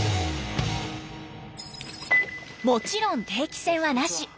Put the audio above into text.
もちろん定期船はなし。